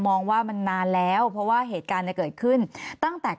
มองว่ามันนานแล้วเพราะว่าเหตุการณ์เนี่ยเกิดขึ้นตั้งแต่